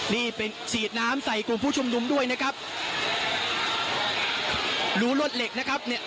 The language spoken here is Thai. นี่เป็นฉีดน้ำใส่กลุ่มผู้ชุมนุมด้วยนะครับรูรวดเหล็กนะครับเนี่ย